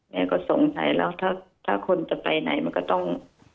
แม่ก็สงสัยแล้วถ้าคนจะไปไหนมันก็ต้อง